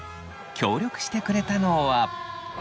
協力してくれたのは。